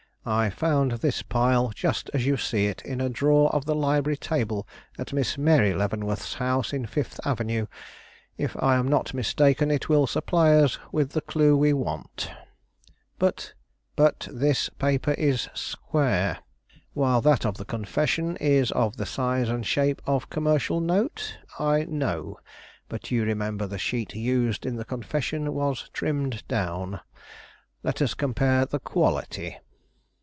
"I found this pile, just as you see it, in a drawer of the library table at Miss Mary Leavenworth's house in Fifth Avenue. If I am not mistaken, it will supply us with the clue we want." "But " "But this paper is square, while that of the confession is of the size and shape of commercial note? I know; but you remember the sheet used in the confession was trimmed down. Let us compare the quality."